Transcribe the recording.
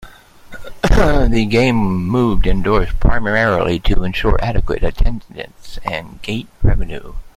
The game was moved indoors primarily to ensure adequate attendance and gate revenue.